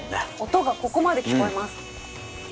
音がここまで聞こえます。